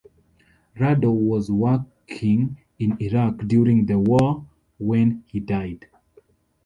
Rado was working in Iraq during the war when he died.